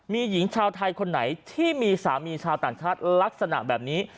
มีหญิงชาวไทยคนไหนที่มีสามีชาวต่างชาติลักษณะแบบนี้